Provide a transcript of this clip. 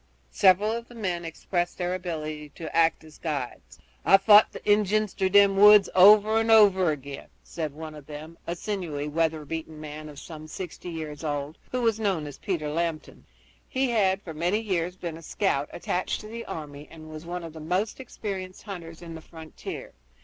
Several of the men expressed their ability to act as guides. "I've fought the Injuns through them woods over and over again," said one of them, a sinewy, weather beaten man of some sixty years old, who was known as Peter Lambton. He had for many years been a scout attached to the army and was one of the most experienced hunters on the frontier.